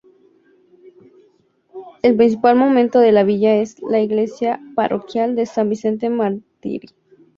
El principal monumento de la villa es la Iglesia Parroquial de San Vicente Mártir.